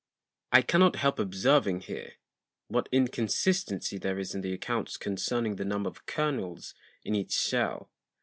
I cannot help observing here, what Inconsistency there is in the Accounts concerning the Number of Kernels in each Shell.